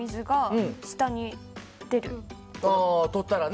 ああ取ったらね。